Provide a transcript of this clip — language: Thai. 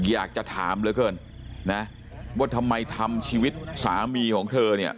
อยากจะถามเหลือเกินนะว่าทำไมทำชีวิตสามีของเธอเนี่ย